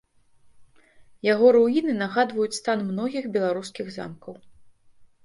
Яго руіны нагадваюць стан многіх беларускіх замкаў.